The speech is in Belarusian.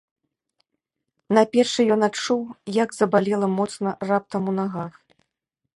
На печы ён адчуў, як забалела моцна раптам у нагах.